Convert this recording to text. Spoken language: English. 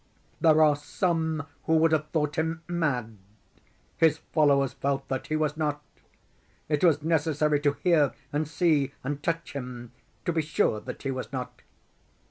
There are some who would have thought him mad. His followers felt that he was not. It was necessary to hear and see and touch him to be sure that he was not.